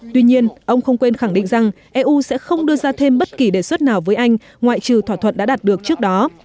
tuy nhiên ông không quên khẳng định rằng eu sẽ không đưa ra thêm bất kỳ đề xuất nào với anh ngoại trừ thỏa thuận đã đạt được trước đó